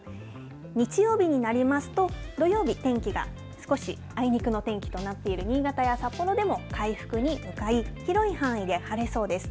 日曜日になりますと、土曜日、天気が少しあいにくの天気となっている新潟や札幌でも回復に向かい、広い範囲で晴れそうです。